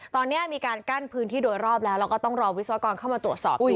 ตอนนี้มีการกั้นพื้นที่โดยรอบแล้วแล้วก็ต้องรอวิศวกรเข้ามาตรวจสอบด้วย